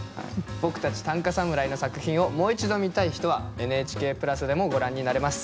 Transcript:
僕たち短歌侍の作品をもう一度見たい人はＮＨＫプラスでもご覧になれます。